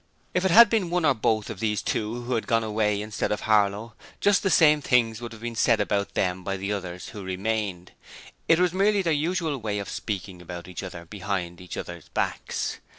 If it had been one or both of these two who had gone away instead of Harlow, just the same things would have been said about them by the others who remained it was merely their usual way of speaking about each other behind each other's backs.